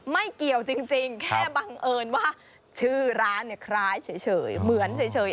ไม่เกี่ยวจริงแค่บังเอิญว่าชื่อร้านเนี่ยคล้ายเฉยเหมือนเฉย